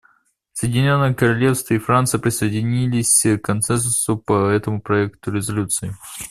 Соединенное Королевство и Франция присоединились к консенсусу по этому проекту резолюции.